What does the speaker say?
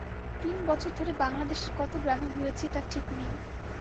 তিন বছর ধরে বাঙলাদেশের কত গ্রামে ঘুরেছি তার ঠিক নেই।